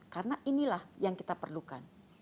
karena inilah yang kita perlukan